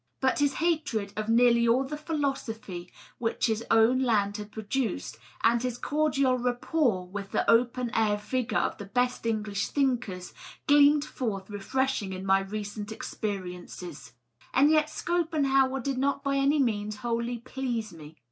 But his hatred of nearly all the philosophy which his own land has produced, and his cordial rapport with the open air vigor of the best English thinkers, gleamed forth refreshing in my recent experiences. And yet Schopenhauer did not by any means wholly please me.